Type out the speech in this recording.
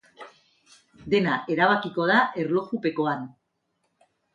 Dena erabakiko da erlojupekoan.